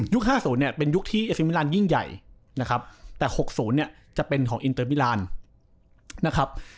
ยุคห้าศูนย์เนี้ยเป็นยุคที่เอสมิลลานด์ยิ่งใหญ่นะครับแต่หกศูนย์เนี้ยจะเป็นของอินเตอร์มิลลานด์นะครับ